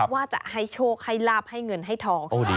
ว่าจะให้โชคให้ลาบให้เงินให้ทอง